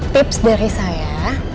tips dari saya